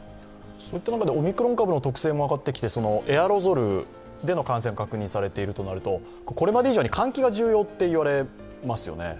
オミクロン株の特性も分かってきてエアロゾルでの感染が確認されているとなるとこれまで以上に換気が重要といわれますよね。